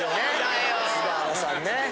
菅原さんね。